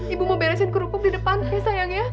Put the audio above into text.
ibu mau bersih kerupuk di depan ya sayang